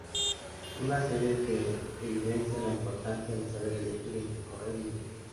Una serie que evidencia la importancia de saber elegir Entre correr y vivir.